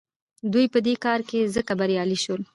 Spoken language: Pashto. دوی په دې کار کې ځکه بریالي شول.